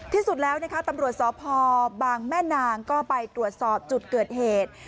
ที่สุดแล้วนะคะตำรวจสพบางแม่นางก็ไปตรวจสอบจุดเกิดเหตุ